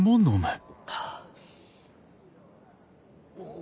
お！